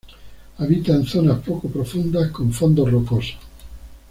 Habita en zonas poco profundas con fondos rocosos.